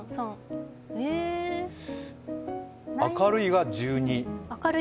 明るいが１２。